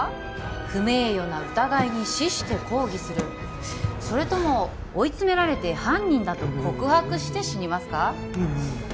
不名誉な疑いに死して抗議するそれとも追い詰められて犯人だと告白して死にますか？